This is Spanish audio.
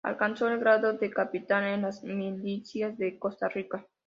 Alcanzó el grado de capitán en las milicias de Costa Rica.